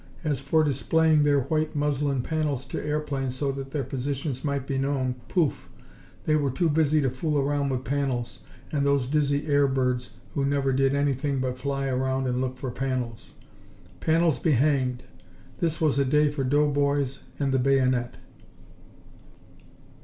As for displaying their white muslin panels to airplanes so that their positions might be known poof! They were too busy to fool around with panels and those dizzy air birds who never did anything but fly around and look for panels. Panels be hanged! This was a day for doughboys and the bayonet!